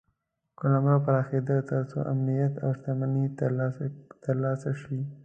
قلمرو پراخېده تر څو امنیت او شتمني ترلاسه شي.